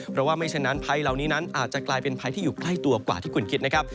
เพราะว่าไม่ฉะนั้นภัยเหล่านี้นั้นอาจจะกลายเป็นภัยที่อยู่ใกล้ตัวกว่าที่คุณคิดนะครับ